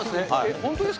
本当ですか？